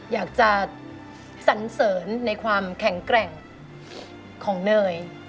อยากจะสันเสริญในความแข็งแกร่งของเนย